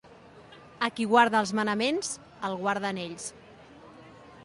A qui guarda els Manaments, el guarden ells.